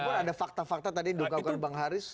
walaupun ada fakta fakta tadi yang diungkapkan bang haris